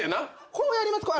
こうやります。